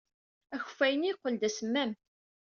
Akeffay-nni yeqqel d asemmam.